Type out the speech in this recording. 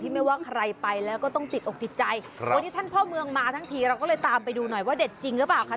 ไม่ว่าใครไปแล้วก็ต้องติดอกติดใจวันนี้ท่านพ่อเมืองมาทั้งทีเราก็เลยตามไปดูหน่อยว่าเด็ดจริงหรือเปล่าค่ะ